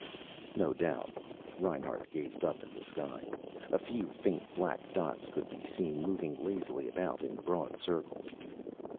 "No doubt." Reinhart gazed up at the sky. A few faint black dots could be seen, moving lazily about, in broad circles.